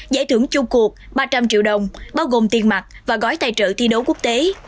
giải thưởng chung cuộc ba trăm linh triệu đồng bao gồm tiền mặt và gói tài trợ thi đấu quốc tế